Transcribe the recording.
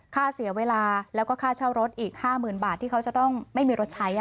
เสียเวลาแล้วก็ค่าเช่ารถอีก๕๐๐๐บาทที่เขาจะต้องไม่มีรถใช้